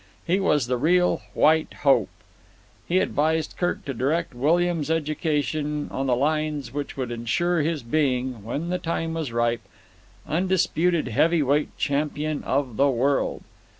He was the real White Hope. He advised Kirk to direct William's education on the lines which would insure his being, when the time was ripe, undisputed heavy weight champion of the world.